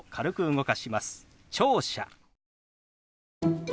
「聴者」。